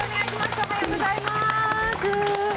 おはようございます。